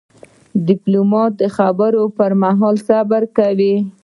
ډيپلومات د خبرو پر مهال صبر کوي.